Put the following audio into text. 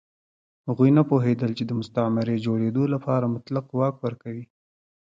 هغوی نه پوهېدل چې د مستعمرې جوړېدو لپاره مطلق واک ورکوي.